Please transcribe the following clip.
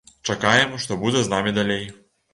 Чакаем, што будзе з намі далей.